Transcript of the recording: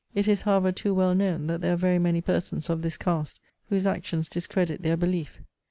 It is, however, too well known, that there are very many persons, of his cast, whose actions discredit their belief.